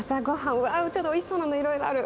うわちょっとおいしそうなのいろいろある。